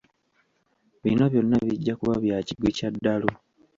Bino byonna bijja kuba bya kigwi kya ddalu.